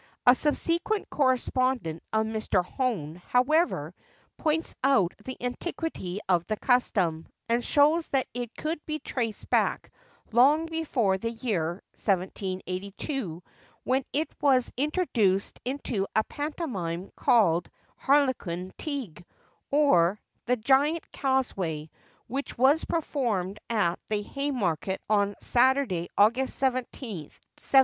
A subsequent correspondent of Mr. Hone, however, points out the antiquity of the custom, and shows that it could be traced back long before the year 1782, when it was introduced into a pantomime called Harlequin Teague; or, the Giant's Causeway, which was performed at the Haymarket on Saturday, August 17, 1782.